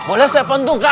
boleh siapkan duka